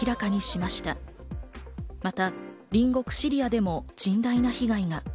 また隣国・シリアでも甚大な被害が。